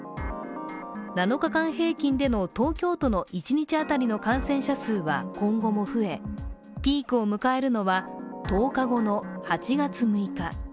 ７日間平均での東京都の１日あたりの感染者数は今後も増えピークを迎えるのは１０日後の８月６日。